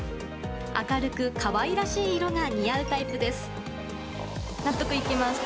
明るく可愛らしい色が似合うタイプです。